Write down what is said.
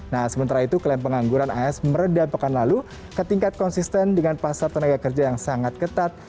nah sementara itu klaim pengangguran as meredam pekan lalu ke tingkat konsisten dengan pasar tenaga kerja yang sangat ketat